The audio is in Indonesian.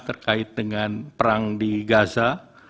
terkait dengan perang di gaza